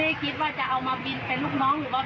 ตอนนั้นคือไม่ได้คิดว่าจะเอามาบินเป็นลูกน้องหรือเป็นอะไรหรอก